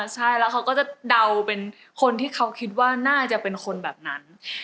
ใช่แล้วเขาก็จะเดาเป็นคนที่เขาคิดว่าน่าจะเป็นคนแบบนั้น